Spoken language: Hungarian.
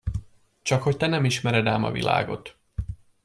Csakhogy te nem ismered ám a világot!